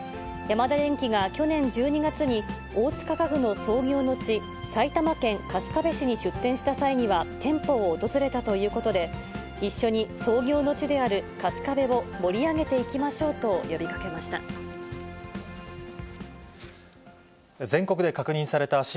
ヤマダデンキが去年１２月に大塚家具の創業の地、埼玉県春日部市に出店した際には店舗を訪れたということで、一緒に創業の地である春日部を盛り上げていきましょうと呼びかけました。